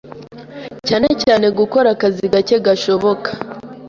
cyane cyane gukora akazi gake gashoboka,